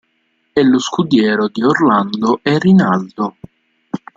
È lo scudiero di Orlando e Rinaldo.